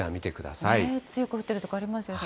強く降ってる所ありますね。